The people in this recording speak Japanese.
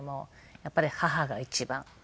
やっぱり母が一番。